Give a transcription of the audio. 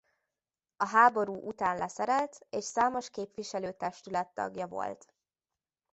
A háború után leszerelt és számos képviselő testület tagja volt.